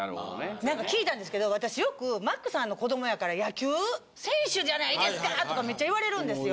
なんか聞いたんですけど私よくマックさんの子どもやから野球選手じゃないですかとかめっちゃ言われるんですよ。